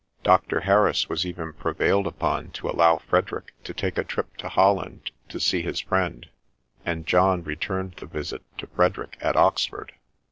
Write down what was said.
Dr. Harris was even prevailed upon to allow Frederick to take a trip to Holland to see his friend ; and John returned the visit to Frederick at Oxford.